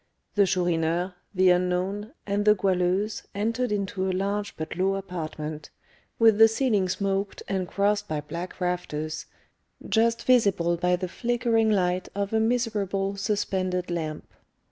The Chourineur, the unknown, and the Goualeuse entered into a large but low apartment, with the ceiling smoked, and crossed by black rafters, just visible by the flickering light of a miserable suspended lamp.